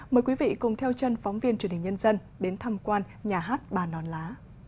mời quý vị cùng theo chân phóng viên truyền hình nhân dân đến thăm quan nhà hát bà non lá